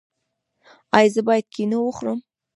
ایا زه باید کینو وخورم؟